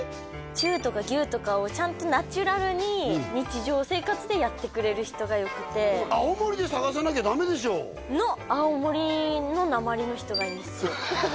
チューとかギューとかをちゃんとナチュラルに日常生活でやってくれる人がよくて青森で探さなきゃダメでしょの青森のなまりの人がいいんですよ